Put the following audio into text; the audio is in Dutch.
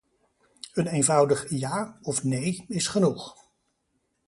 Een eenvoudig "ja" of "nee" is genoeg.